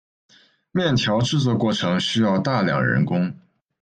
面条制作过程需要大量人工。